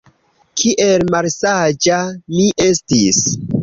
Kiel malsaĝa mi estis!